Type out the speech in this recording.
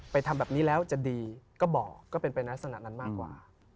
ทำแบบนี้แล้วจะดีก็บอกก็เป็นไปในลักษณะนั้นมากกว่า